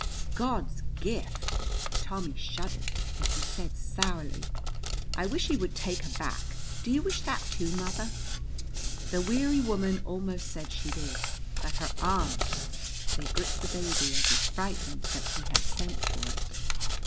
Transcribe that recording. "God's gift!" Tommy shuddered, but he said sourly, "I wish he would take her back. Do you wish that, too, mother?" The weary woman almost said she did, but her arms they gripped the baby as if frightened that he had sent for it.